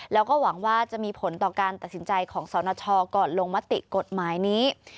แล้วก็หวังว่าจะมีผลต่อการตัดสินใจของสนชก่อนลงมติกฎหมายนี้